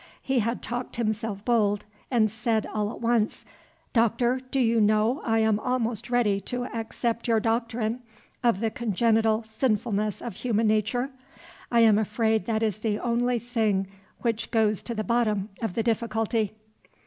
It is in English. He had talked himself bold, and said all at once, "Doctor, do you know I am almost ready to accept your doctrine of the congenital sinfulness of human nature? I am afraid that is the only thing which goes to the bottom of the difficulty."